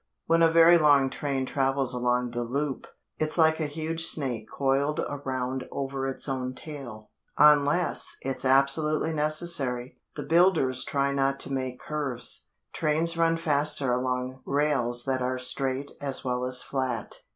When a very long train travels along the loop, it's like a huge snake coiled around over its own tail! Unless it's absolutely necessary, the builders try not to make curves. Trains run faster along rails that are straight as well as flat.